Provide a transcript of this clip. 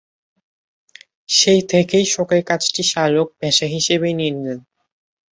সেই থেকেই শখের কাজটি শার্লক পেশা হিসেবেই নিয়ে নিলেন।